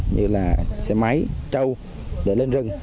như là xe máy trâu để lên rừng